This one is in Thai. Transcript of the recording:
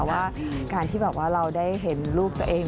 ว่าการที่แบบว่าเราได้เห็นรูปตัวเอง